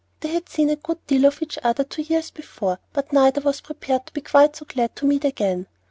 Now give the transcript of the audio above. They had seen a good deal of each other two years before, but neither was prepared to be quite so glad to meet again.